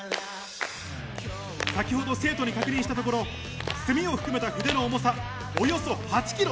先ほど生徒に確認したところ墨を含めた筆の重さおよそ８ｋｇ。